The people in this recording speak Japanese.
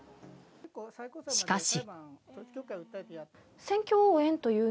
しかし。